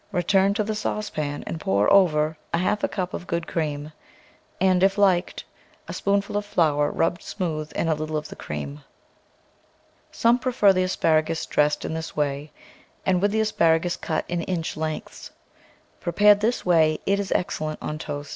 Return to the saucepan and pour over a half cup of good cream, and, if liked, a spoonful of flour rubbed smooth in a little of the cream. Some prefer the asparagus dressed in this way and with the asparagus cut in inch lengths. Prepared this way, it is excellent on toast.